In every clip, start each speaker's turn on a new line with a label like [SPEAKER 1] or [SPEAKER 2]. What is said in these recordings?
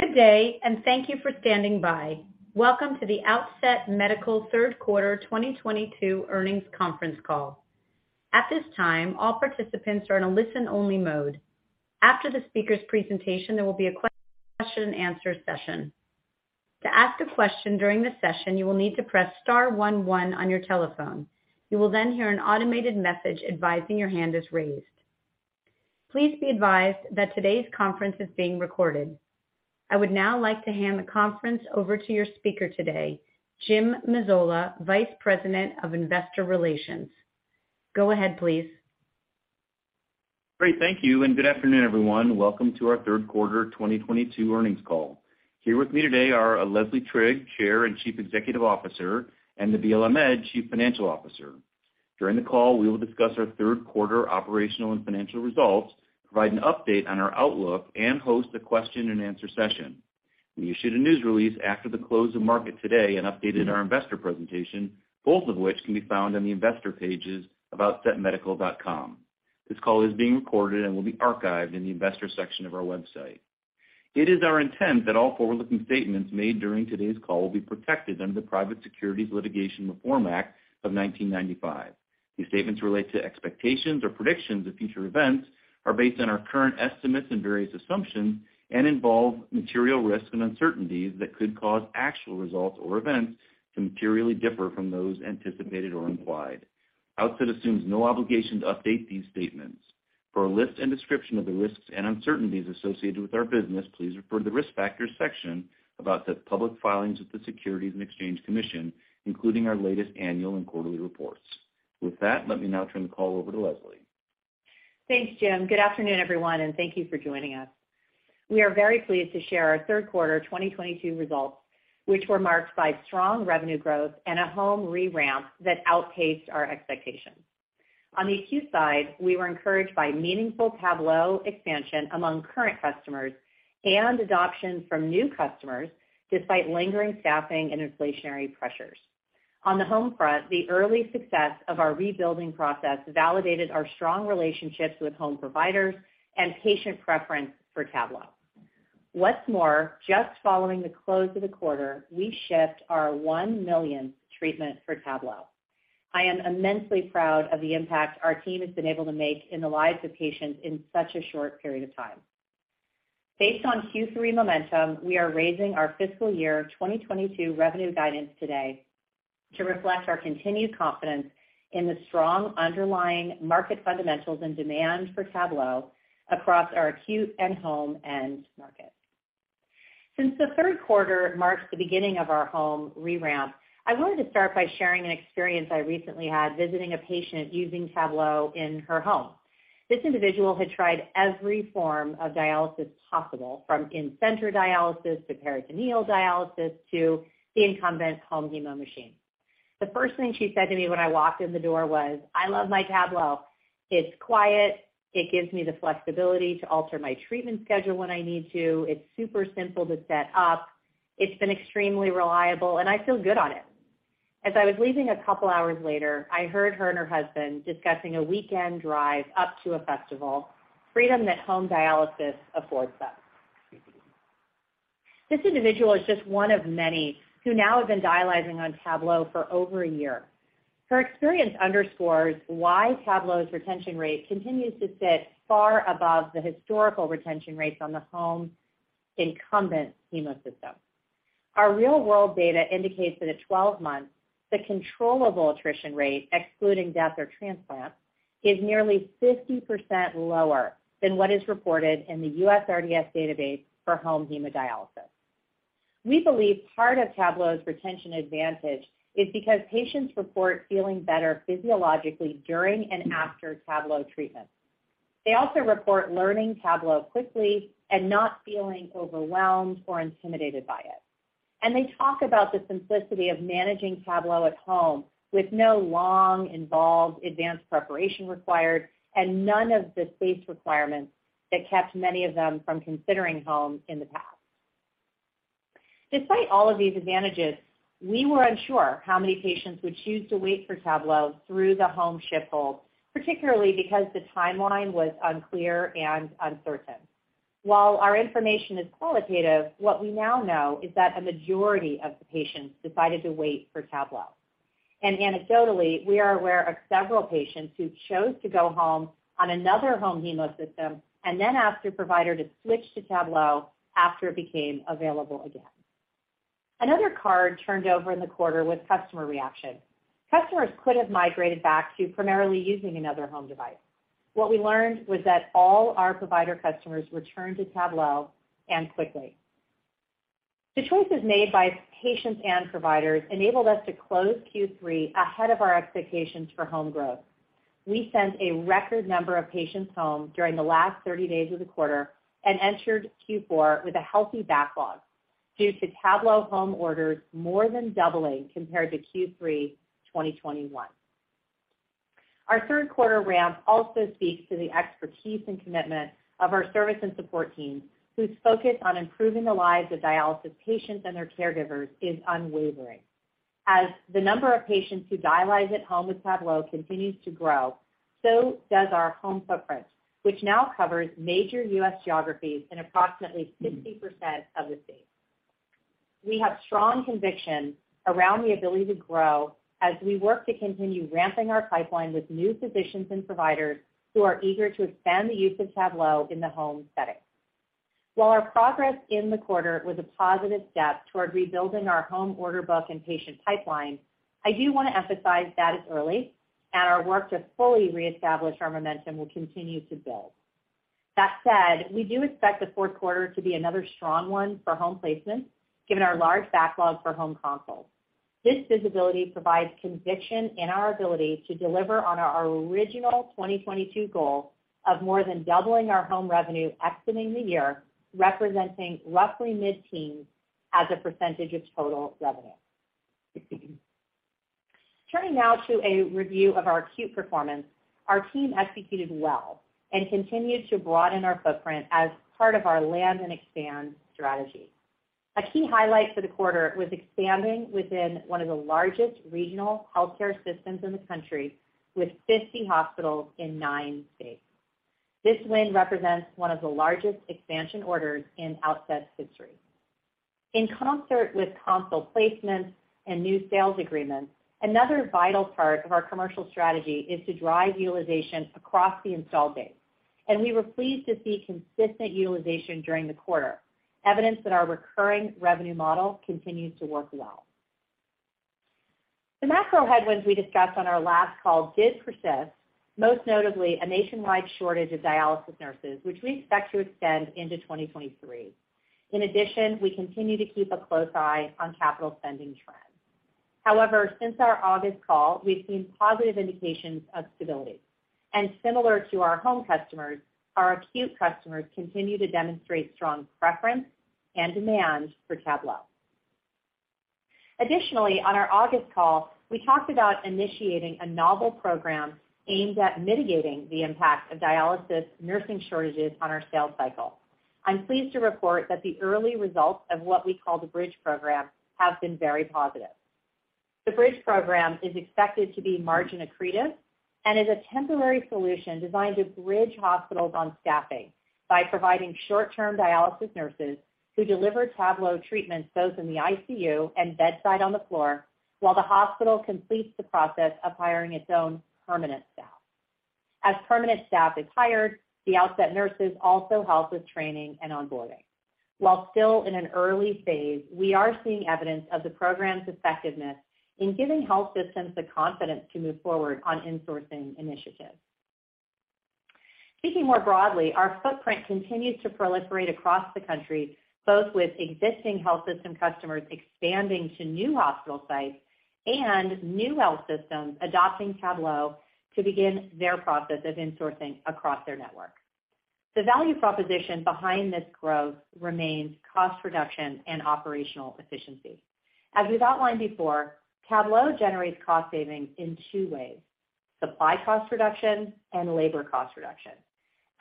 [SPEAKER 1] Good day, and thank you for standing by. Welcome to the Outset Medical Third Quarter 2022 Earnings Conference Call. At this time, all participants are in a listen-only mode. After the speaker's presentation, there will be a question-and-answer session. To ask a question during the session, you will need to press star one one on your telephone. You will then hear an automated message advising your hand is raised. Please be advised that today's conference is being recorded. I would now like to hand the conference over to your speaker today, Jim Mazzola, Vice President of Investor Relations. Go ahead, please.
[SPEAKER 2] Great. Thank you, and good afternoon, everyone. Welcome to our third quarter 2022 earnings call. Here with me today are Leslie Trigg, Chair and Chief Executive Officer, and Nabeel Ahmed, Chief Financial Officer. During the call, we will discuss our third quarter operational and financial results, provide an update on our outlook and host a question-and-answer session. We issued a news release after the close of market today and updated our investor presentation, both of which can be found on the investor pages of outsetmedical.com. This call is being recorded and will be archived in the investors section of our website. It is our intent that all forward-looking statements made during today's call will be protected under the Private Securities Litigation Reform Act of 1995. These statements relate to expectations or predictions of future events, are based on our current estimates and various assumptions and involve material risks and uncertainties that could cause actual results or events to materially differ from those anticipated or implied. Outset assumes no obligation to update these statements. For a list and description of the risks and uncertainties associated with our business, please refer to the Risk Factors section of Outset's public filings with the Securities and Exchange Commission, including our latest annual and quarterly reports. With that, let me now turn the call over to Leslie.
[SPEAKER 3] Thanks, Jim. Good afternoon, everyone, and thank you for joining us. We are very pleased to share our third quarter 2022 results, which were marked by strong revenue growth and a home re-ramp that outpaced our expectations. On the acute side, we were encouraged by meaningful Tablo expansion among current customers and adoption from new customers despite lingering staffing and inflationary pressures. On the home front, the early success of our rebuilding process validated our strong relationships with home providers and patient preference for Tablo. What's more, just following the close of the quarter, we shipped our one millionth treatment for Tablo. I am immensely proud of the impact our team has been able to make in the lives of patients in such a short period of time. Based on Q3 momentum, we are raising our fiscal year 2022 revenue guidance today to reflect our continued confidence in the strong underlying market fundamentals and demand for Tablo across our acute and home end markets. Since the third quarter marks the beginning of our home re-ramp, I wanted to start by sharing an experience I recently had visiting a patient using Tablo in her home. This individual had tried every form of dialysis possible, from in-center dialysis to peritoneal dialysis to the incumbent home hemo machine. The first thing she said to me when I walked in the door was, "I love my Tablo. It's quiet. It gives me the flexibility to alter my treatment schedule when I need to. It's super simple to set up. It's been extremely reliable, and I feel good on it." As I was leaving a couple hours later, I heard her and her husband discussing a weekend drive up to a festival, freedom that home dialysis affords them. This individual is just one of many who now have been dialyzing on Tablo for over a year. Her experience underscores why Tablo's retention rate continues to sit far above the historical retention rates on the home incumbent hemo system. Our real-world data indicates that at 12 months, the controllable attrition rate, excluding death or transplant, is nearly 50% lower than what is reported in the USRDS database for home hemodialysis. We believe part of Tablo's retention advantage is because patients report feeling better physiologically during and after Tablo treatment. They also report learning Tablo quickly and not feeling overwhelmed or intimidated by it. They talk about the simplicity of managing Tablo at home with no long, involved advanced preparation required and none of the space requirements that kept many of them from considering home in the past. Despite all of these advantages, we were unsure how many patients would choose to wait for Tablo through the home ship hold, particularly because the timeline was unclear and uncertain. While our information is qualitative, what we now know is that a majority of the patients decided to wait for Tablo. Anecdotally, we are aware of several patients who chose to go home on another home hemo system and then asked their provider to switch to Tablo after it became available again. Another card turned over in the quarter was customer reaction. Customers could have migrated back to primarily using another home device. What we learned was that all our provider customers returned to Tablo, and quickly. The choices made by patients and providers enabled us to close Q3 ahead of our expectations for home growth. We sent a record number of patients home during the last 30 days of the quarter and entered Q4 with a healthy backlog due to Tablo home orders more than doubling compared to Q3 2021. Our third quarter ramp also speaks to the expertise and commitment of our service and support teams, whose focus on improving the lives of dialysis patients and their caregivers is unwavering. As the number of patients who dialyze at home with Tablo continues to grow, so does our home footprint, which now covers major U.S. geographies in approximately 50% of the states. We have strong conviction around the ability to grow as we work to continue ramping our pipeline with new physicians and providers who are eager to expand the use of Tablo in the home setting. While our progress in the quarter was a positive step toward rebuilding our home order book and patient pipeline, I do want to emphasize that it's early and our work to fully reestablish our momentum will continue to build. That said, we do expect the fourth quarter to be another strong one for home placements given our large backlog for home consoles. This visibility provides conviction in our ability to deliver on our original 2022 goal of more than doubling our home revenue exiting the year, representing roughly mid-teens% of total revenue. Turning now to a review of our acute performance. Our team executed well and continued to broaden our footprint as part of our land and expand strategy. A key highlight for the quarter was expanding within one of the largest regional healthcare systems in the country with 50 hospitals in 9 states. This win represents one of the largest expansion orders in Outset's history. In concert with console placements and new sales agreements, another vital part of our commercial strategy is to drive utilization across the install base, and we were pleased to see consistent utilization during the quarter, evidence that our recurring revenue model continues to work well. The macro headwinds we discussed on our last call did persist, most notably a nationwide shortage of dialysis nurses, which we expect to extend into 2023. In addition, we continue to keep a close eye on capital spending trends. However, since our August call, we've seen positive indications of stability. Similar to our home customers, our acute customers continue to demonstrate strong preference and demand for Tablo. Additionally, on our August call, we talked about initiating a novel program aimed at mitigating the impact of dialysis nursing shortages on our sales cycle. I'm pleased to report that the early results of what we call the Bridge Program have been very positive. The Bridge Program is expected to be margin accretive and is a temporary solution designed to bridge hospitals on staffing by providing short-term dialysis nurses who deliver Tablo treatments both in the ICU and bedside on the floor while the hospital completes the process of hiring its own permanent staff. As permanent staff is hired, the Outset nurses also help with training and onboarding. While still in an early phase, we are seeing evidence of the program's effectiveness in giving health systems the confidence to move forward on insourcing initiatives. Speaking more broadly, our footprint continues to proliferate across the country, both with existing health system customers expanding to new hospital sites and new health systems adopting Tablo to begin their process of insourcing across their network. The value proposition behind this growth remains cost reduction and operational efficiency. As we've outlined before, Tablo generates cost savings in two ways, supply cost reduction and labor cost reduction.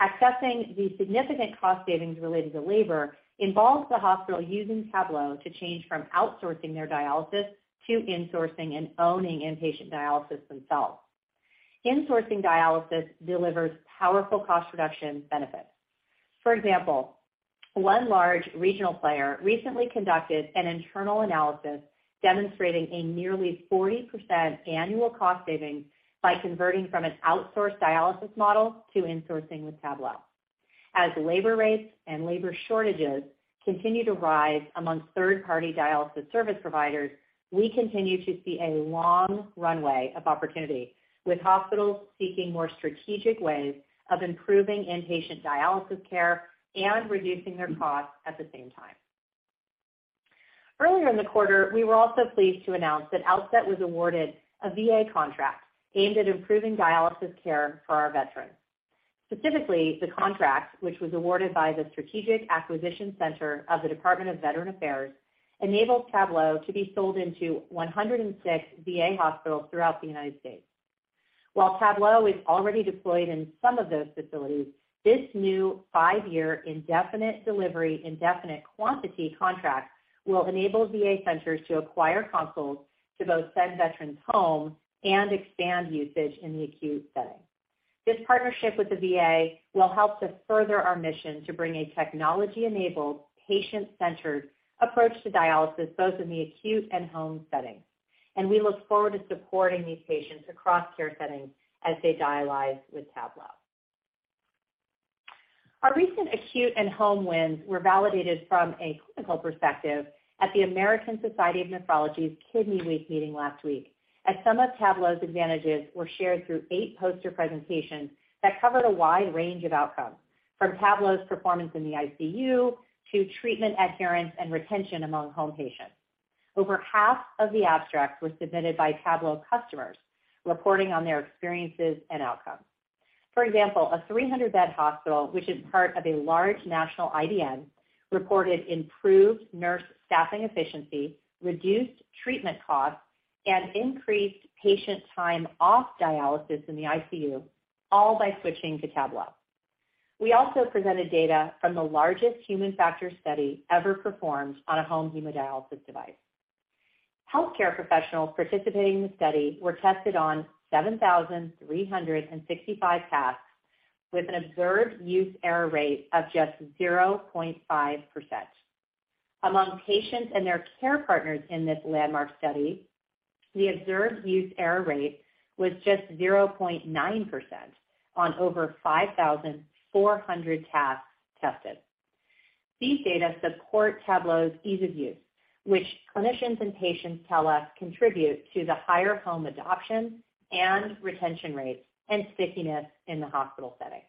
[SPEAKER 3] Accessing the significant cost savings related to labor involves the hospital using Tablo to change from outsourcing their dialysis to insourcing and owning inpatient dialysis themselves. Insourcing dialysis delivers powerful cost reduction benefits. For example, one large regional player recently conducted an internal analysis demonstrating a nearly 40% annual cost savings by converting from an outsourced dialysis model to insourcing with Tablo. As labor rates and labor shortages continue to rise among third-party dialysis service providers, we continue to see a long runway of opportunity with hospitals seeking more strategic ways of improving inpatient dialysis care and reducing their costs at the same time. Earlier in the quarter, we were also pleased to announce that Outset was awarded a VA contract aimed at improving dialysis care for our veterans. Specifically, the contract, which was awarded by the Strategic Acquisition Center of the Department of Veterans Affairs, enables Tablo to be sold into 106 VA hospitals throughout the United States. While Tablo is already deployed in some of those facilities, this new five-year indefinite delivery, indefinite quantity contract will enable VA centers to acquire consoles to both send veterans home and expand usage in the acute setting. This partnership with the VA will help to further our mission to bring a technology-enabled, patient-centered approach to dialysis, both in the acute and home settings, and we look forward to supporting these patients across care settings as they dialyze with Tablo. Our recent acute and home wins were validated from a clinical perspective at the American Society of Nephrology's Kidney Week meeting last week, as some of Tablo's advantages were shared through eight poster presentations that covered a wide range of outcomes from Tablo's performance in the ICU to treatment adherence and retention among home patients. Over half of the abstracts were submitted by Tablo customers reporting on their experiences and outcomes. For example, a 300-bed hospital, which is part of a large national IDN, reported improved nurse staffing efficiency, reduced treatment costs, and increased patient time off dialysis in the ICU, all by switching to Tablo. We also presented data from the largest human factors study ever performed on a home hemodialysis device. Healthcare professionals participating in the study were tested on 7,365 tasks with an observed use error rate of just 0.5%. Among patients and their care partners in this landmark study, the observed use error rate was just 0.9% on over 5,400 tasks tested. These data support Tablo's ease of use, which clinicians and patients tell us contribute to the higher home adoption and retention rates and stickiness in the hospital setting.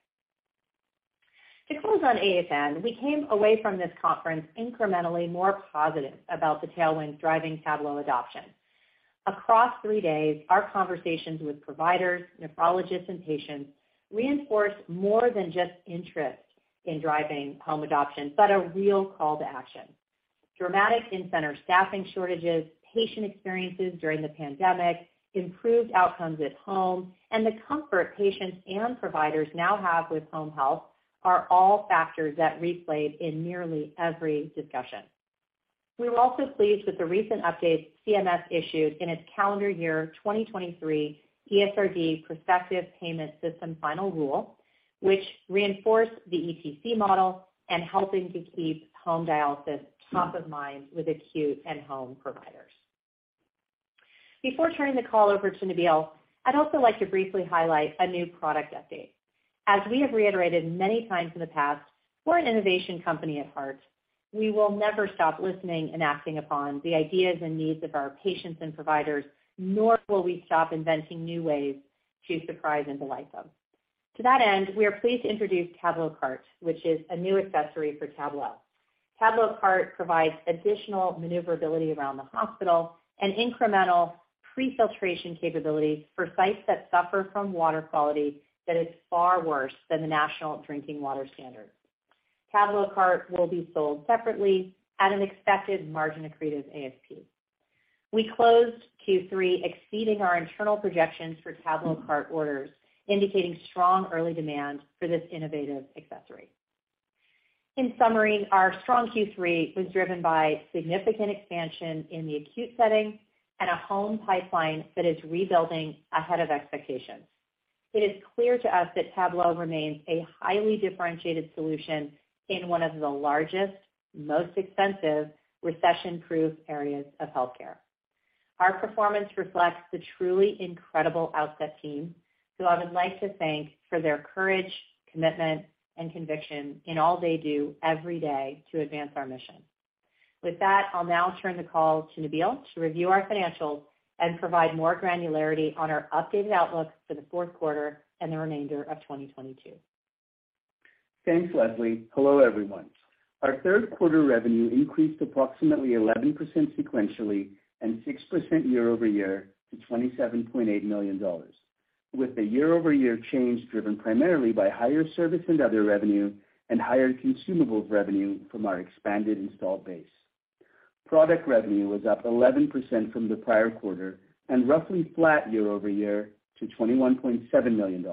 [SPEAKER 3] To close on ASN, we came away from this conference incrementally more positive about the tailwind driving Tablo adoption. Across three days, our conversations with providers, nephrologists, and patients reinforced more than just interest in driving home adoption, but a real call to action. Dramatic in-center staffing shortages, patient experiences during the pandemic, improved outcomes at home, and the comfort patients and providers now have with home health are all factors that replayed in nearly every discussion. We were also pleased with the recent updates CMS issued in its calendar year 2023 ESRD prospective payment system final rule, which reinforced the ETC model and helping to keep home dialysis top of mind with acute and home providers. Before turning the call over to Nabil, I'd also like to briefly highlight a new product update. As we have reiterated many times in the past, we're an innovation company at heart. We will never stop listening and acting upon the ideas and needs of our patients and providers, nor will we stop inventing new ways to surprise and delight them. To that end, we are pleased to introduce TabloCart, which is a new accessory for Tablo. TabloCart provides additional maneuverability around the hospital and incremental pre-filtration capabilities for sites that suffer from water quality that is far worse than the national drinking water standard. TabloCart will be sold separately at an expected margin-accretive ASP. We closed Q3 exceeding our internal projections for TabloCart orders, indicating strong early demand for this innovative accessory. In summary, our strong Q3 was driven by significant expansion in the acute setting and a home pipeline that is rebuilding ahead of expectations. It is clear to us that Tablo remains a highly differentiated solution in one of the largest, most expensive, recession-proof areas of healthcare. Our performance reflects the truly incredible Outset team, who I would like to thank for their courage, commitment, and conviction in all they do every day to advance our mission. With that, I'll now turn the call to Nabil to review our financials and provide more granularity on our updated outlook for the fourth quarter and the remainder of 2022.
[SPEAKER 4] Thanks, Leslie. Hello, everyone. Our third quarter revenue increased approximately 11% sequentially and 6% year-over-year to $27.8 million, with the year-over-year change driven primarily by higher service and other revenue and higher consumables revenue from our expanded installed base. Product revenue was up 11% from the prior quarter and roughly flat year-over-year to $21.7 million.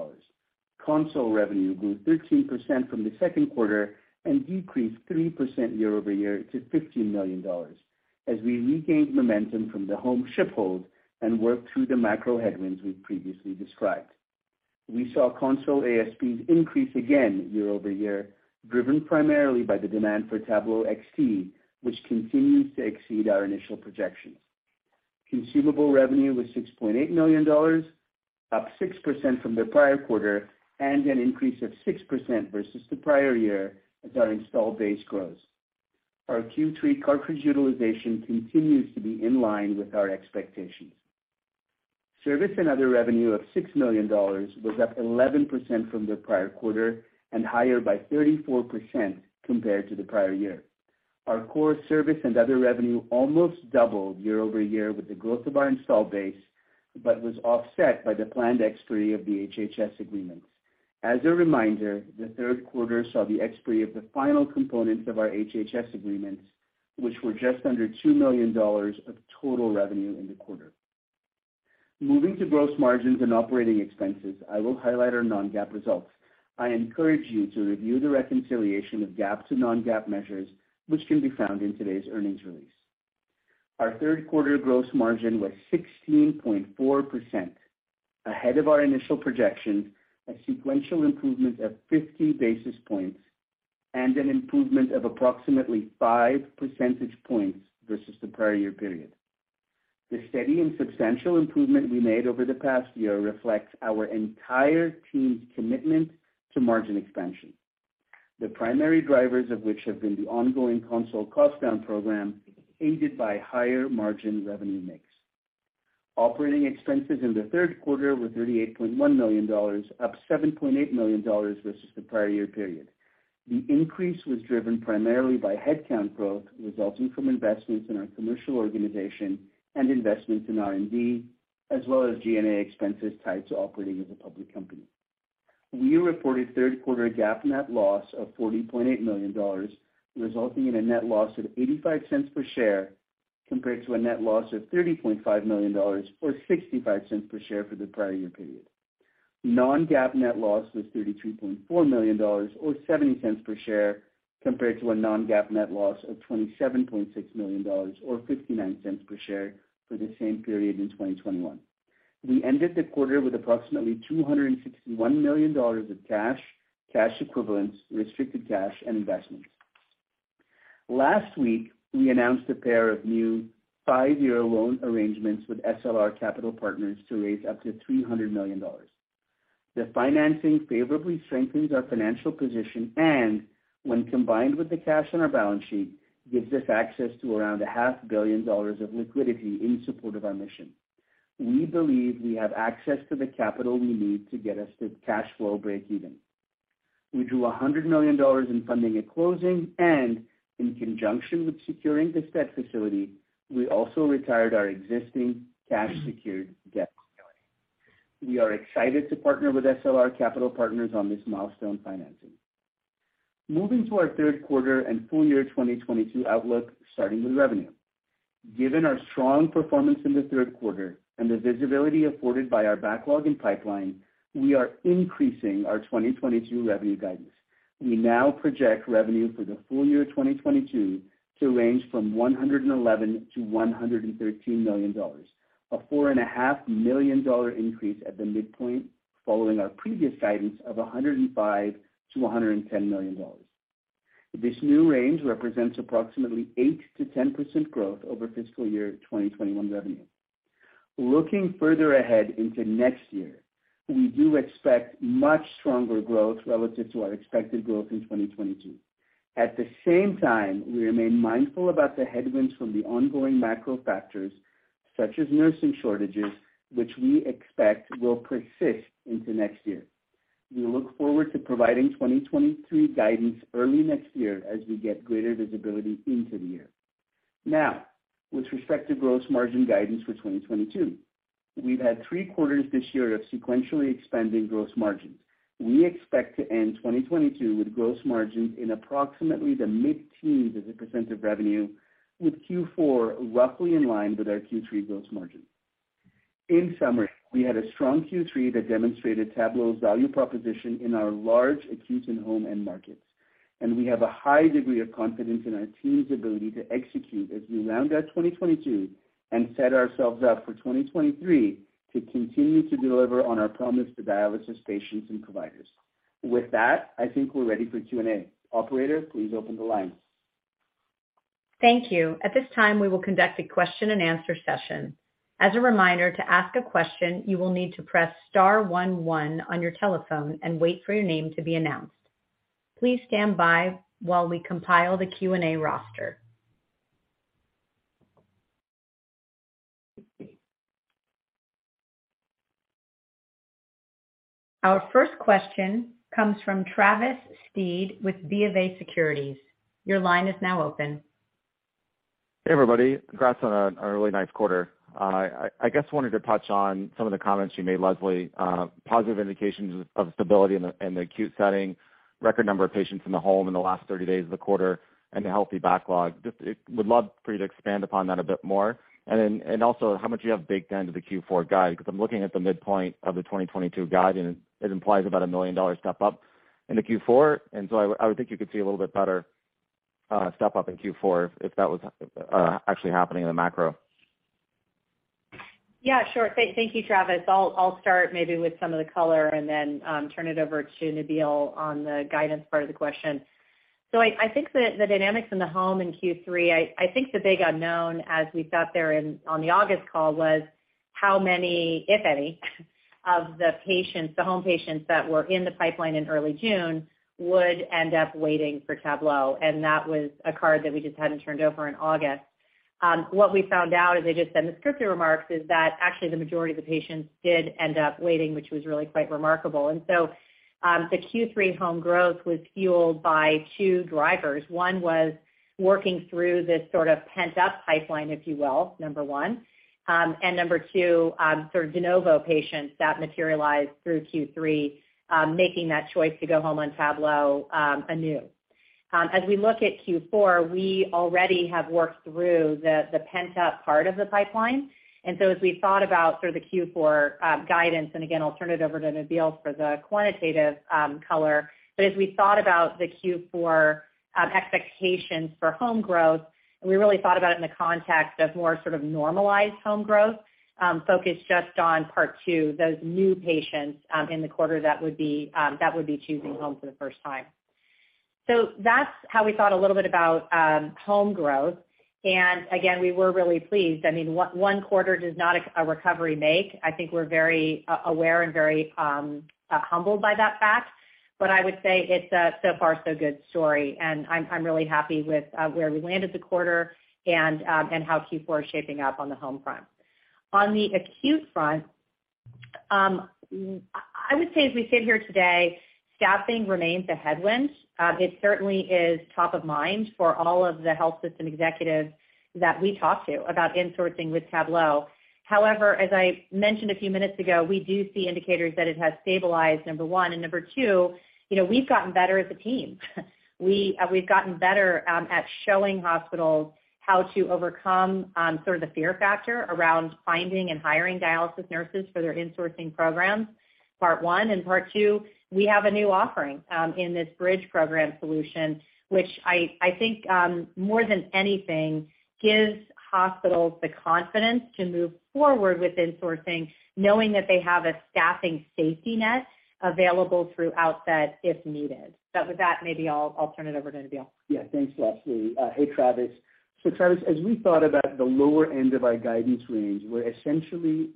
[SPEAKER 4] Console revenue grew 13% from the second quarter and decreased 3% year-over-year to $15 million as we regained momentum from the home shipment hold and worked through the macro headwinds we've previously described. We saw console ASPs increase again year-over-year, driven primarily by the demand for Tablo XT, which continues to exceed our initial projections. Consumable revenue was $6.8 million, up 6% from the prior quarter and an increase of 6% versus the prior year as our installed base grows. Our Q3 cartridge utilization continues to be in line with our expectations. Service and other revenue of $6 million was up 11% from the prior quarter and higher by 34% compared to the prior year. Our core service and other revenue almost doubled year over year with the growth of our installed base, but was offset by the planned expiry of the HHS agreements. As a reminder, the third quarter saw the expiry of the final components of our HHS agreements, which were just under $2 million of total revenue in the quarter. Moving to gross margins and operating expenses, I will highlight our non-GAAP results. I encourage you to review the reconciliation of GAAP to non-GAAP measures, which can be found in today's earnings release. Our third quarter gross margin was 16.4%, ahead of our initial projections, a sequential improvement of 50 basis points and an improvement of approximately 5 percentage points versus the prior year period. The steady and substantial improvement we made over the past year reflects our entire team's commitment to margin expansion, the primary drivers of which have been the ongoing console cost down program, aided by higher margin revenue mix. Operating expenses in the third quarter were $38.1 million, up $7.8 million versus the prior year period. The increase was driven primarily by headcount growth resulting from investments in our commercial organization and investments in R&D, as well as G&A expenses tied to operating as a public company. We reported third quarter GAAP net loss of $40.8 million, resulting in a net loss of $0.85 per share. Compared to a net loss of $30.5 million or $0.65 per share for the prior year period. Non-GAAP net loss was $33.4 million or $0.70 per share compared to a non-GAAP net loss of $27.6 million or $0.59 per share for the same period in 2021. We ended the quarter with approximately $261 million of cash equivalents, restricted cash and investments. Last week, we announced a pair of new five-year loan arrangements with SLR Capital Partners to raise up to $300 million. The financing favorably strengthens our financial position and when combined with the cash on our balance sheet, gives us access to around a half billion dollars of liquidity in support of our mission. We believe we have access to the capital we need to get us to cash flow breakeven. We drew $100 million in funding at closing and in conjunction with securing this debt facility, we also retired our existing cash secured debt facility. We are excited to partner with SLR Capital Partners on this milestone financing. Moving to our third quarter and full year 2022 outlook, starting with revenue. Given our strong performance in the third quarter and the visibility afforded by our backlog and pipeline, we are increasing our 2022 revenue guidance. We now project revenue for the full year 2022 to range from $111 million-$113 million, a $4.5 million increase at the midpoint following our previous guidance of $105 million-$110 million. This new range represents approximately 8%-10% growth over fiscal year 2021 revenue. Looking further ahead into next year, we do expect much stronger growth relative to our expected growth in 2022. At the same time, we remain mindful about the headwinds from the ongoing macro factors such as nursing shortages, which we expect will persist into next year. We look forward to providing 2023 guidance early next year as we get greater visibility into the year. Now, with respect to gross margin guidance for 2022, we've had 3 quarters this year of sequentially expanding gross margins. We expect to end 2022 with gross margin in approximately the mid-teens % of revenue, with Q4 roughly in line with our Q3 gross margin. In summary, we had a strong Q3 that demonstrated Tablo's value proposition in our large acute and home end markets, and we have a high degree of confidence in our team's ability to execute as we round out 2022 and set ourselves up for 2023 to continue to deliver on our promise to dialysis patients and providers. With that, I think we're ready for Q&A. Operator, please open the lines.
[SPEAKER 1] Thank you. At this time, we will conduct a question-and-answer session. As a reminder, to ask a question, you will need to press star one one on your telephone and wait for your name to be announced. Please stand by while we compile the Q&A roster. Our first question comes from Travis Steed with BofA Securities. Your line is now open.
[SPEAKER 5] Hey, everybody. Congrats on a really nice quarter. I guess wanted to touch on some of the comments you made, Leslie. Positive indications of stability in the acute setting, record number of patients in the home in the last 30 days of the quarter, and a healthy backlog. Just would love for you to expand upon that a bit more. Also, how much do you have baked into the Q4 guide? Because I'm looking at the midpoint of the 2022 guide, and it implies about a $1 million step up into Q4. I would think you could see a little bit better step up in Q4 if that was actually happening in the macro.
[SPEAKER 3] Yeah, sure. Thank you, Travis. I'll start maybe with some of the color and then turn it over to Nabil on the guidance part of the question. I think the dynamics in the home in Q3. I think the big unknown as we sat there on the August call was how many, if any, of the patients, the home patients that were in the pipeline in early June would end up waiting for Tablo. That was a card that we just hadn't turned over in August. What we found out, as I just said in the scripted remarks, is that actually the majority of the patients did end up waiting, which was really quite remarkable. The Q3 home growth was fueled by two drivers. One was working through this sort of pent-up pipeline, if you will, number one. Number two, sort of de novo patients that materialized through Q3, making that choice to go home on Tablo, anew. As we look at Q4, we already have worked through the pent-up part of the pipeline. We thought about sort of the Q4 guidance, and again, I'll turn it over to Nabeel for the quantitative color. As we thought about the Q4 expectations for home growth, and we really thought about it in the context of more sort of normalized home growth, focused just on part two, those new patients in the quarter that would be choosing home for the first time. That's how we thought a little bit about home growth. Again, we were really pleased. I mean, one quarter does not a recovery make. I think we're very aware and very humbled by that fact. I would say it's a so far so good story, and I'm really happy with where we landed the quarter and how Q4 is shaping up on the home front. On the acute front, I would say as we sit here today, staffing remains a headwind. It certainly is top of mind for all of the health system executives that we talk to about in-sourcing with Tablo. However, as I mentioned a few minutes ago, we do see indicators that it has stabilized, number one. Number two, you know, we've gotten better as a team. We've gotten better at showing hospitals how to overcome sort of the fear factor around finding and hiring dialysis nurses for their insourcing programs, part one. Part two, we have a new offering in this Bridge Program solution, which I think more than anything, gives hospitals the confidence to move forward with insourcing, knowing that they have a staffing safety net available through Outset if needed. With that, maybe I'll turn it over to Nabeel.
[SPEAKER 4] Yeah. Thanks, Leslie. Hey, Travis. Travis, as we thought about the lower end of our guidance range, we're essentially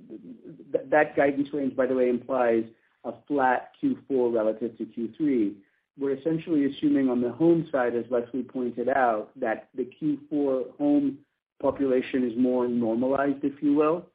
[SPEAKER 4] that guidance range, by the way, implies a flat Q4 relative to Q3. We're essentially assuming on the home side, as Leslie pointed out, that the Q4 home population is more normalized, if you will.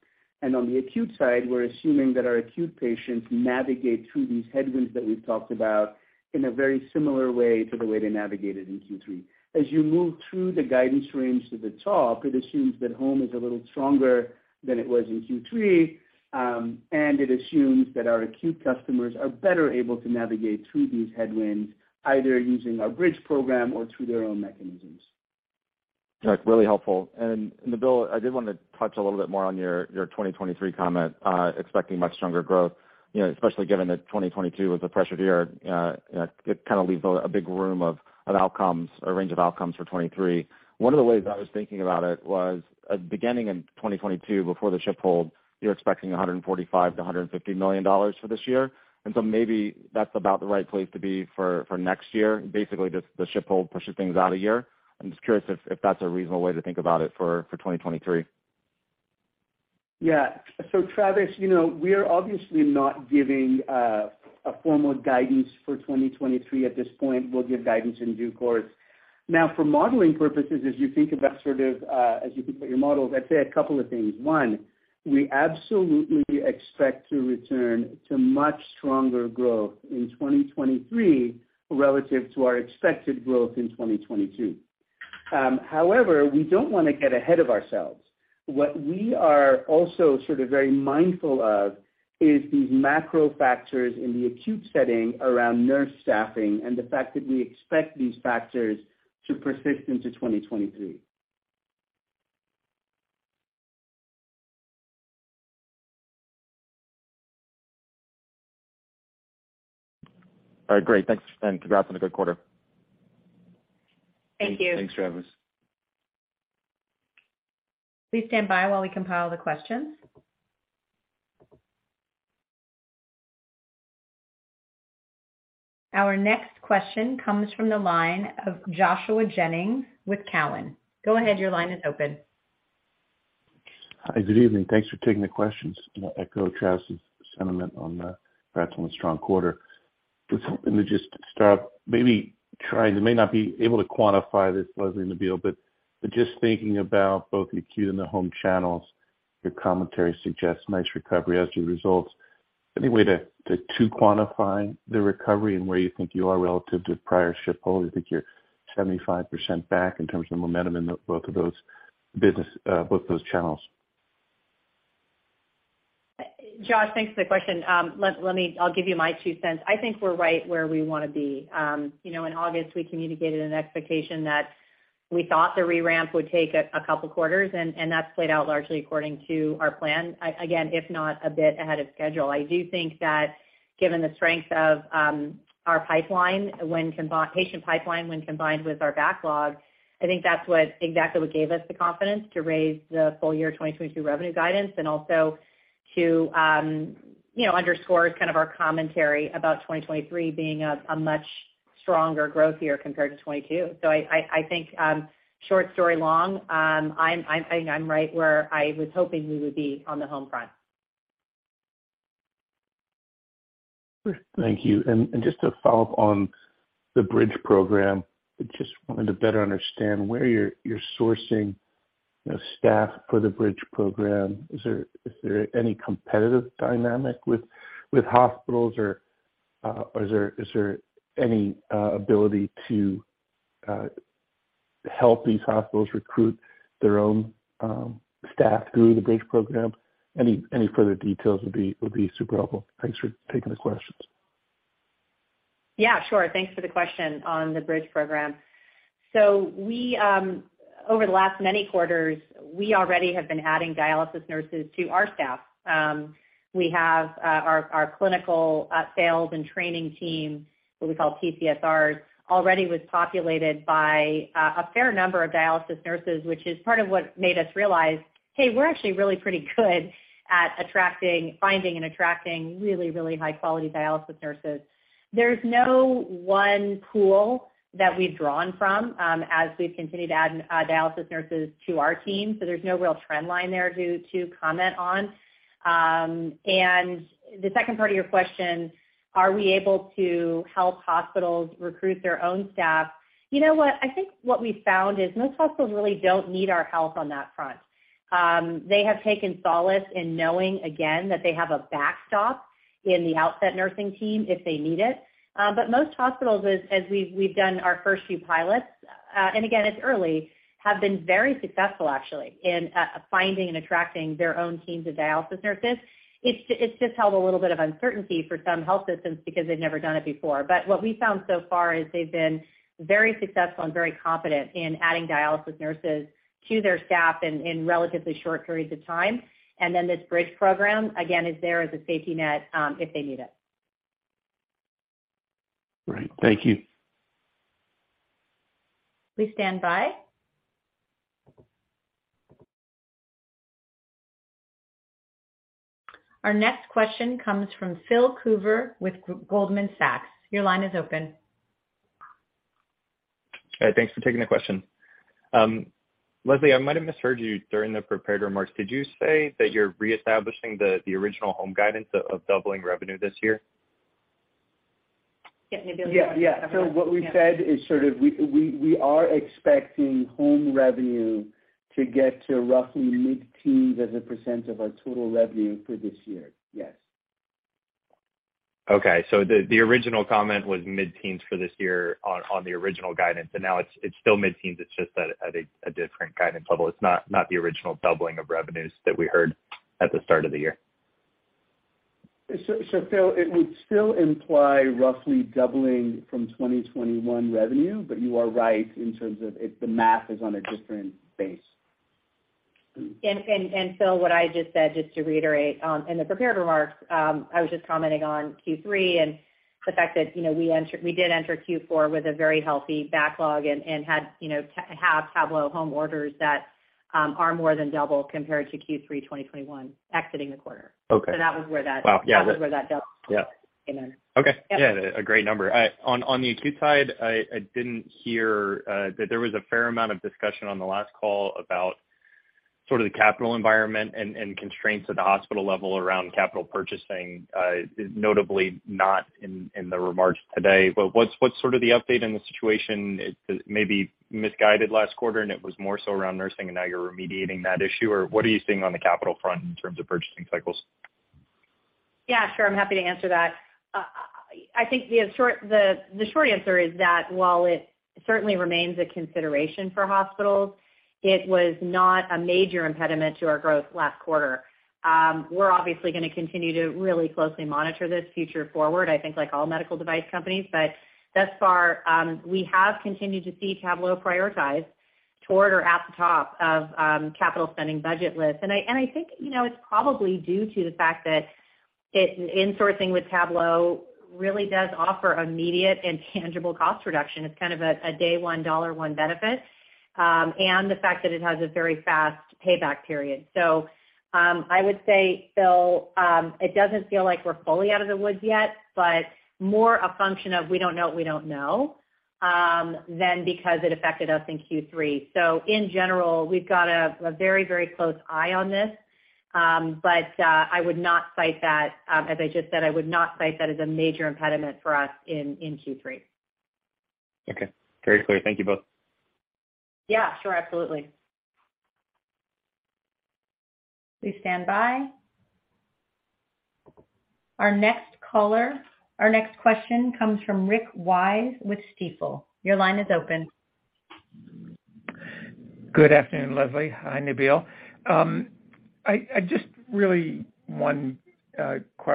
[SPEAKER 4] On the acute side, we're assuming that our acute patients navigate through these headwinds that we've talked about in a very similar way to the way they navigated in Q3. As you move through the guidance range to the top, it assumes that home is a little stronger than it was in Q3, and it assumes that our acute customers are better able to navigate through these headwinds, either using our Bridge Program or through their own mechanisms.
[SPEAKER 5] That's really helpful. Nabeel, I did wanna touch a little bit more on your 2023 comment, expecting much stronger growth, you know, especially given that 2022 was a pressured year. It kind of leaves a big room of outcomes or range of outcomes for 2023. One of the ways I was thinking about it was, beginning in 2022 before the ship hold, you're expecting $145 million-$150 million for this year. Maybe that's about the right place to be for next year. Basically, just the ship hold pushes things out a year. I'm just curious if that's a reasonable way to think about it for 2023.
[SPEAKER 4] Yeah. Travis, you know, we are obviously not giving a formal guidance for 2023 at this point. We'll give guidance in due course. Now, for modeling purposes, as you think about your models, I'd say a couple of things. One, we absolutely expect to return to much stronger growth in 2023 relative to our expected growth in 2022. However, we don't wanna get ahead of ourselves. What we are also sort of very mindful of is these macro factors in the acute setting around nurse staffing and the fact that we expect these factors to persist into 2023.
[SPEAKER 5] All right. Great. Thanks. Congrats on a good quarter.
[SPEAKER 3] Thank you.
[SPEAKER 4] Thanks, Travis.
[SPEAKER 1] Please stand by while we compile the questions. Our next question comes from the line of Joshua Jennings with Cowen. Go ahead, your line is open.
[SPEAKER 6] Hi, good evening. Thanks for taking the questions. I echo Travis's sentiment on the congrats on a strong quarter. Just hoping to start, maybe try, you may not be able to quantify this, Leslie, Nabil, but just thinking about both acute and the home channels, your commentary suggests nice recovery as your results. Any way to quantify the recovery and where you think you are relative to prior ship hold? I think you're 75% back in terms of momentum in both of those business, both those channels.
[SPEAKER 3] Joshua, thanks for the question. I'll give you my two cents. I think we're right where we wanna be. You know, in August, we communicated an expectation that we thought the re-ramp would take a couple quarters, and that's played out largely according to our plan. Again, if not a bit ahead of schedule. I do think that given the strength of our patient pipeline when combined with our backlog, I think that's exactly what gave us the confidence to raise the full year 2022 revenue guidance and also to underscore kind of our commentary about 2023 being a much stronger growth year compared to 2022. Short story long, I think I'm right where I was hoping we would be on the home front.
[SPEAKER 6] Thank you. Just to follow up on the Bridge Program, I just wanted to better understand where you're sourcing, you know, staff for the Bridge Program. Is there any competitive dynamic with hospitals or is there any ability to help these hospitals recruit their own staff through the Bridge Program? Any further details would be super helpful. Thanks for taking the questions.
[SPEAKER 3] Yeah, sure. Thanks for the question on the Bridge Program. We over the last many quarters already have been adding dialysis nurses to our staff. We have our clinical sales and training team, what we call PCSRs, already was populated by a fair number of dialysis nurses, which is part of what made us realize, hey, we're actually really pretty good at attracting, finding and attracting really high-quality dialysis nurses. There's no one pool that we've drawn from as we've continued to add dialysis nurses to our team, so there's no real trend line there to comment on. The second part of your question, are we able to help hospitals recruit their own staff? You know what? I think what we found is most hospitals really don't need our help on that front. They have taken solace in knowing again that they have a backstop in the Outset nursing team if they need it. But most hospitals, as we've done our first few pilots, and again, it's early, have been very successful actually in finding and attracting their own teams of dialysis nurses. It's just held a little bit of uncertainty for some health systems because they've never done it before. But what we found so far is they've been very successful and very competent in adding dialysis nurses to their staff in relatively short periods of time. Then this Bridge Program, again, is there as a safety net, if they need it.
[SPEAKER 6] Right. Thank you.
[SPEAKER 1] Please stand by. Our next question comes from Philip Coover with Goldman Sachs. Your line is open.
[SPEAKER 7] Hi. Thanks for taking the question. Leslie, I might have misheard you during the prepared remarks. Did you say that you're reestablishing the original home guidance of doubling revenue this year?
[SPEAKER 3] Yeah. Nabeel, do you want to take that one?
[SPEAKER 4] Yeah. Yeah. What we said is sort of we are expecting home revenue to get to roughly mid-teens% of our total revenue for this year. Yes.
[SPEAKER 7] Okay. The original comment was mid-teens% for this year on the original guidance, and now it's still mid-teens%, it's just at a different guidance level. It's not the original doubling of revenues that we heard at the start of the year.
[SPEAKER 4] Phil, it would still imply roughly doubling from 2021 revenue, but you are right in terms of it, the math is on a different base.
[SPEAKER 3] Phil, what I just said, just to reiterate, in the prepared remarks, I was just commenting on Q3 and the fact that, you know, we did enter Q4 with a very healthy backlog and had, you know, have Tablo home orders that are more than double compared to Q3 2021 exiting the quarter.
[SPEAKER 7] Okay.
[SPEAKER 3] So that was where that-
[SPEAKER 7] Wow. Yeah.
[SPEAKER 3] That was where that double came in.
[SPEAKER 7] Okay.
[SPEAKER 3] Yeah.
[SPEAKER 7] Yeah, a great number. On the acute side, I didn't hear that there was a fair amount of discussion on the last call about sort of the capital environment and constraints at the hospital level around capital purchasing, notably not in the remarks today. What's sort of the update in the situation? It may be misguided last quarter, and it was more so around nursing and now you're remediating that issue. What are you seeing on the capital front in terms of purchasing cycles?
[SPEAKER 3] Yeah, sure. I'm happy to answer that. I think the short answer is that while it certainly remains a consideration for hospitals, it was not a major impediment to our growth last quarter. We're obviously gonna continue to really closely monitor this going forward, I think like all medical device companies. Thus far, we have continued to see Tablo prioritize toward or at the top of capital spending budget lists. I think, you know, it's probably due to the fact that insourcing with Tablo really does offer immediate and tangible cost reduction. It's kind of a day one, dollar one benefit, and the fact that it has a very fast payback period. I would say, Phil, it doesn't feel like we're fully out of the woods yet, but more a function of we don't know what we don't know than because it affected us in Q3. In general, we've got a very close eye on this, but I would not cite that, as I just said, I would not cite that as a major impediment for us in Q3.
[SPEAKER 7] Okay. Very clear. Thank you both.
[SPEAKER 3] Yeah, sure. Absolutely.
[SPEAKER 1] Please stand by. Our next question comes from Rick Wise with Stifel. Your line is open.
[SPEAKER 8] Good afternoon, Leslie. Hi, Nabeel. I just really want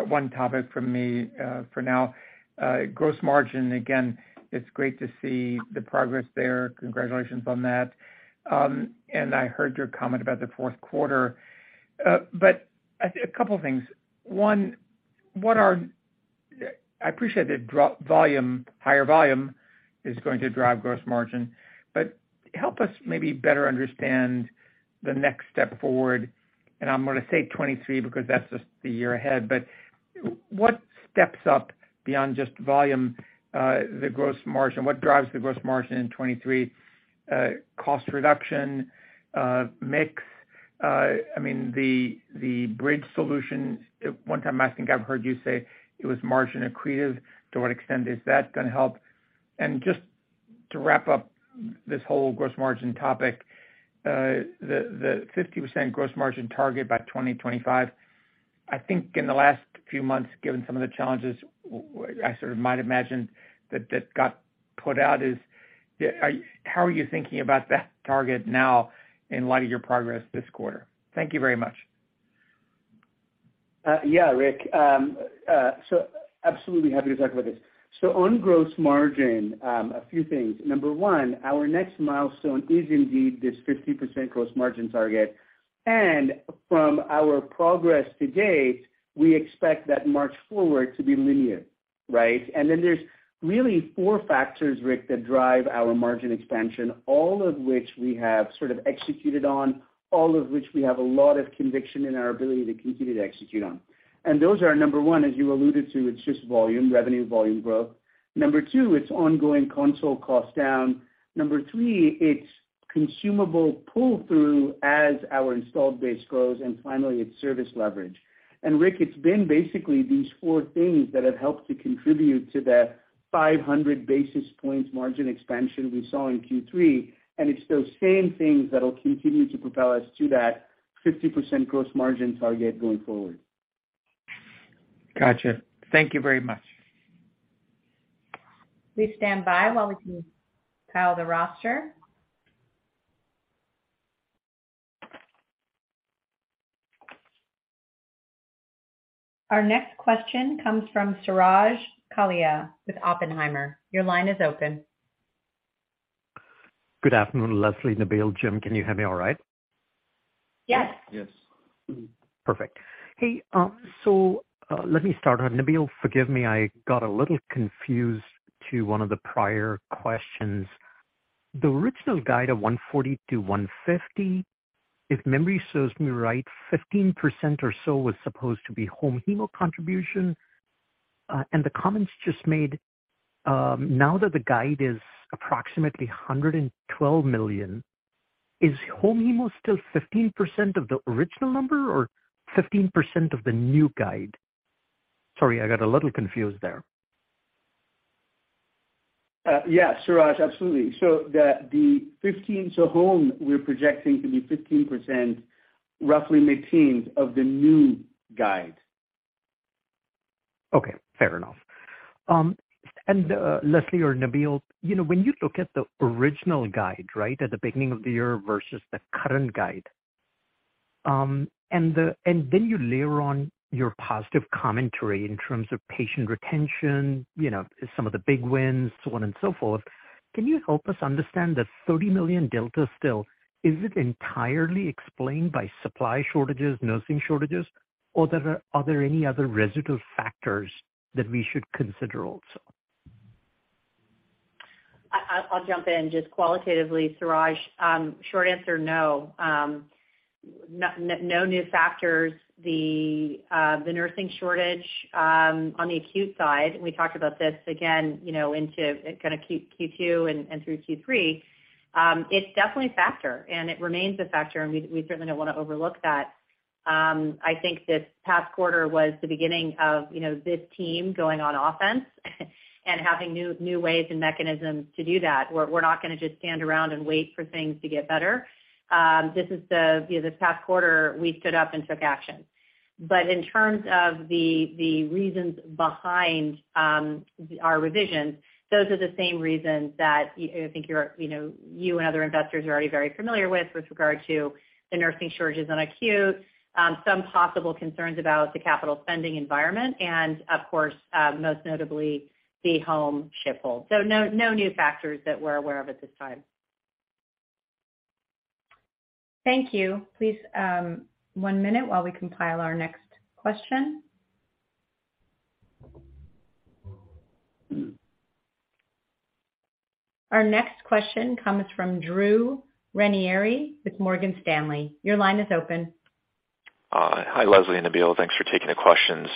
[SPEAKER 8] one key topic from me for now. Gross margin, again, it's great to see the progress there. Congratulations on that. I heard your comment about the fourth quarter. A couple things. One, I appreciate that Tablo volume, higher volume is going to drive gross margin, but help us maybe better understand the next step forward, and I'm gonna say 2023 because that's just the year ahead. What steps up beyond just volume the gross margin? What drives the gross margin in 2023? Cost reduction, mix, I mean, the Bridge Program, one time I think I've heard you say it was margin accretive. To what extent is that gonna help? Just to wrap up this whole gross margin topic, the 50% gross margin target by 2025, I think in the last few months, given some of the challenges, I sort of might imagine that that got put out is, how are you thinking about that target now in light of your progress this quarter? Thank you very much.
[SPEAKER 4] Yeah, Rick. Absolutely happy to talk about this. On gross margin, a few things. Number one, our next milestone is indeed this 50% gross margin target. From our progress to date, we expect that march forward to be linear, right? There's really four factors, Rick, that drive our margin expansion, all of which we have sort of executed on, all of which we have a lot of conviction in our ability to continue to execute on. Those are, number one, as you alluded to, it's just volume, revenue volume growth. Number two, it's ongoing console cost down. Number three, it's consumable pull-through as our installed base grows. Finally, it's service leverage. Rick, it's been basically these four things that have helped to contribute to the 500 basis points margin expansion we saw in Q3, and it's those same things that'll continue to propel us to that 50% gross margin target going forward. Gotcha. Thank you very much.
[SPEAKER 1] Please stand by while we compile the roster. Our next question comes from Suraj Kalia with Oppenheimer. Your line is open.
[SPEAKER 9] Good afternoon, Leslie, Nabeel, Jim, can you hear me all right?
[SPEAKER 3] Yes.
[SPEAKER 4] Yes.
[SPEAKER 9] Perfect. Hey, let me start on Nabeel. Forgive me, I got a little confused to one of the prior questions. The original guide of $140-$150 million, if memory serves me right, 15% or so was supposed to be home hemo contribution. The comments just made, now that the guide is approximately $112 million, is home hemo still 15% of the original number or 15% of the new guide? Sorry, I got a little confused there.
[SPEAKER 4] Yeah, Suraj. Absolutely. The 15 to home we're projecting to be 15% roughly maintained of the new guide.
[SPEAKER 9] Okay, fair enough. Leslie or Nabil, you know, when you look at the original guide, right? At the beginning of the year versus the current guide, and then you layer on your positive commentary in terms of patient retention, you know, some of the big wins, so on and so forth. Can you help us understand the $30 million delta still? Is it entirely explained by supply shortages, nursing shortages, or are there any other residual factors that we should consider also?
[SPEAKER 3] I'll jump in just qualitatively, Suraj. Short answer, no. No new factors. The nursing shortage on the acute side, we talked about this again, you know, into kinda Q2 and through Q3. It's definitely a factor and it remains a factor and we certainly don't wanna overlook that. I think this past quarter was the beginning of, you know, this team going on offense and having new ways and mechanisms to do that, where we're not gonna just stand around and wait for things to get better. This is the, you know, this past quarter we stood up and took action. In terms of the reasons behind our revisions, those are the same reasons that you think you're, you know, you and other investors are already very familiar with regard to the nursing shortages in acute, some possible concerns about the capital spending environment and of course, most notably the home shift hold. No new factors that we're aware of at this time.
[SPEAKER 1] Thank you. Please, one minute while we compile our next question. Our next question comes from Drew Ranieri with Morgan Stanley. Your line is open.
[SPEAKER 10] Hi, Leslie and Nabeel. Thanks for taking the questions.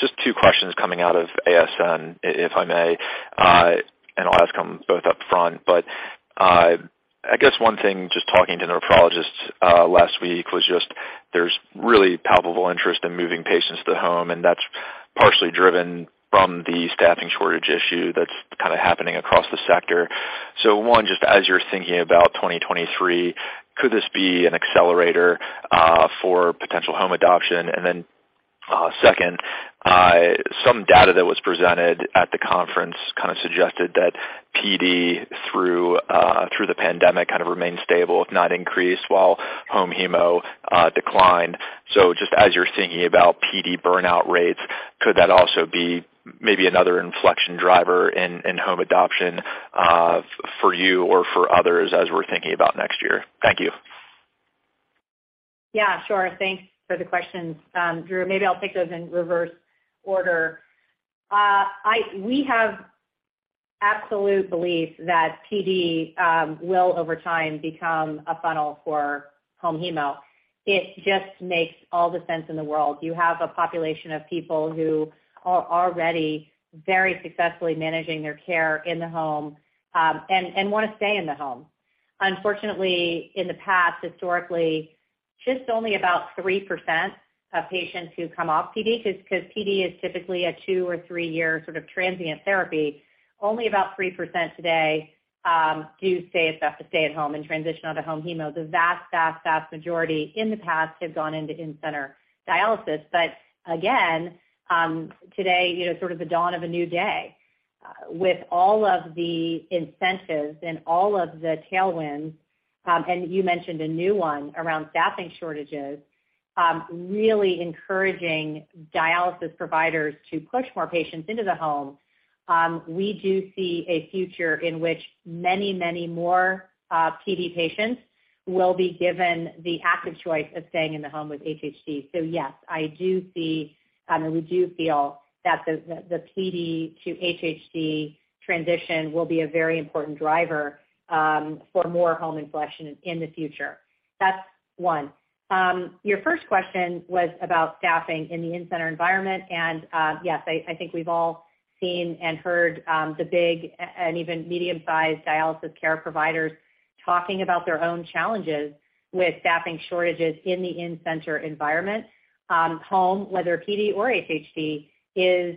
[SPEAKER 10] Just two questions coming out of ASN, if I may, and I'll ask them both up front. I guess one thing just talking to nephrologists last week was just there's really palpable interest in moving patients to home, and that's partially driven from the staffing shortage issue that's kind of happening across the sector. One, just as you're thinking about 2023, could this be an accelerator for potential home adoption? Then, second, some data that was presented at the conference kind of suggested that PD through the pandemic kind of remained stable if not increased while home hemo declined. Just as you're thinking about PD burnout rates, could that also be maybe another inflection driver in home adoption, for you or for others as we're thinking about next year? Thank you.
[SPEAKER 3] Yeah, sure. Thanks for the questions, Drew. Maybe I'll take those in reverse order. We have absolute belief that PD will over time become a funnel for home hemo. It just makes all the sense in the world. You have a population of people who are already very successfully managing their care in the home and wanna stay in the home. Unfortunately, in the past, historically, just only about 3% of patients who come off PD, just 'cause PD is typically a two or three year sort of transient therapy. Only about 3% today do stay at home and transition onto home hemo. The vast majority in the past have gone into in-center dialysis. Again, today, you know, sort of the dawn of a new day, with all of the incentives and all of the tailwinds, and you mentioned a new one around staffing shortages, really encouraging dialysis providers to push more patients into the home. We do see a future in which many, many more PD patients will be given the active choice of staying in the home with HHD. Yes, I do see, and we do feel that the PD to HHD transition will be a very important driver for more home inflection in the future. That's one. Your first question was about staffing in the in-center environment. Yes, I think we've all seen and heard the big and even medium-sized dialysis care providers talking about their own challenges with staffing shortages in the in-center environment. Home, whether PD or HHD, is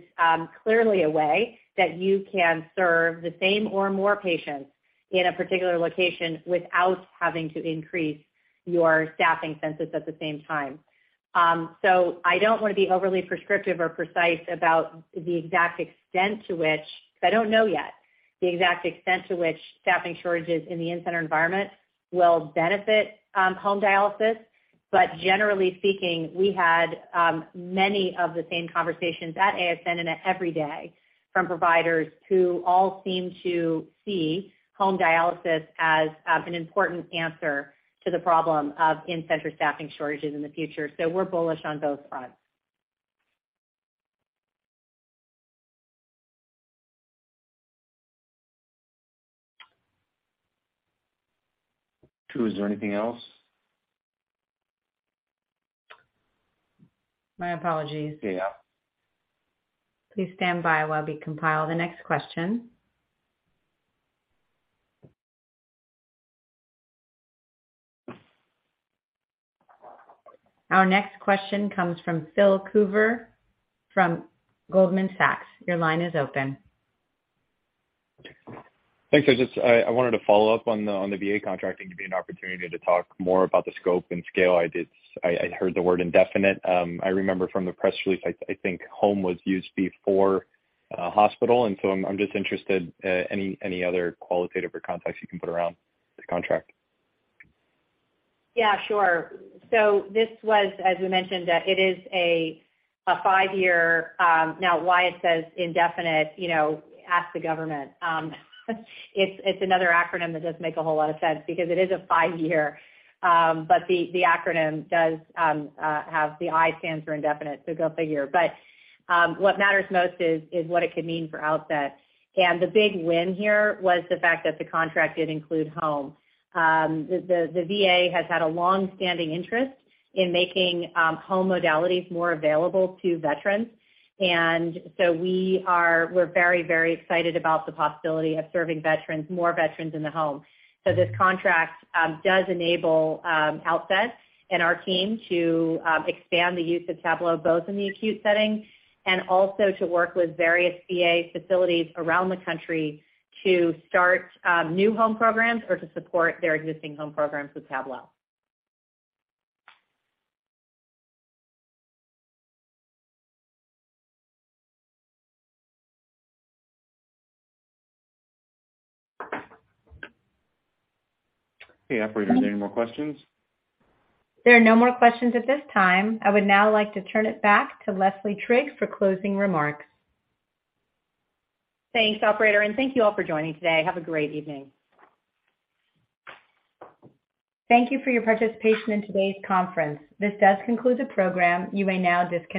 [SPEAKER 3] clearly a way that you can serve the same or more patients in a particular location without having to increase your staffing census at the same time. I don't wanna be overly prescriptive or precise about the exact extent to which, 'cause I don't know yet, the exact extent to which staffing shortages in the in-center environment will benefit home dialysis. Generally speaking, we had many of the same conversations at ASN and every day from providers who all seem to see home dialysis as an important answer to the problem of in-center staffing shortages in the future. We're bullish on both fronts.
[SPEAKER 2] 2, is there anything else?
[SPEAKER 1] My apologies.
[SPEAKER 2] Yeah.
[SPEAKER 1] Please stand by while we compile the next question. Our next question comes from Philip Coover from Goldman Sachs. Your line is open.
[SPEAKER 7] Thanks. I wanted to follow up on the VA contract. I think it'd be an opportunity to talk more about the scope and scale. I heard the word indefinite. I remember from the press release. I think home was used before hospital, and so I'm just interested in any other qualitative or contextual you can put around the contract.
[SPEAKER 3] Yeah, sure. This was, as we mentioned, it is a five-year. Now why it says indefinite, you know, ask the government. It's another acronym that doesn't make a whole lot of sense because it is a five-year. But the acronym does have the I stands for indefinite, so go figure. What matters most is what it could mean for Outset. The big win here was the fact that the contract did include home. The VA has had a long-standing interest in making home modalities more available to veterans. We are very, very excited about the possibility of serving veterans, more veterans in the home. This contract does enable Outset and our team to expand the use of Tablo both in the acute setting and also to work with various VA facilities around the country to start new home programs or to support their existing home programs with Tablo.
[SPEAKER 2] Hey, operator, is there any more questions?
[SPEAKER 1] There are no more questions at this time. I would now like to turn it back to Leslie Trigg for closing remarks.
[SPEAKER 3] Thanks, operator, and thank you all for joining today. Have a great evening.
[SPEAKER 1] Thank you for your participation in today's conference. This does conclude the program. You may now disconnect.